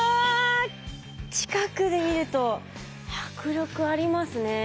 近くで見ると迫力ありますね。